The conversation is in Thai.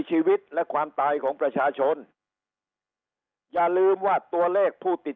ชีวิตและความตายของประชาชนอย่าลืมว่าตัวเลขผู้ติด